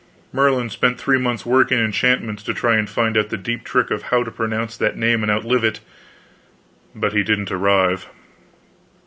Merlin spent three months working enchantments to try to find out the deep trick of how to pronounce that name and outlive it. But he didn't arrive.